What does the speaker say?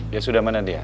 ya sudah mana dia